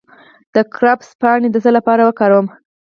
د کرفس پاڼې د څه لپاره وکاروم؟